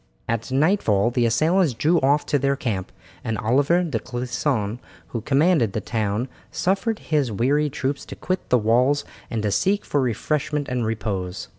At nightfall the assailants drew off to their camp, and Oliver de Clisson, who commanded the town, suffered his weary troops to quit the walls and to seek for refreshment and repose.